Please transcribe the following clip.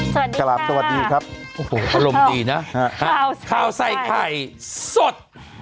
สวัสดีครับสวัสดีครับโอ้โหอารมณ์ดีนะข่าวใส่ไข่สด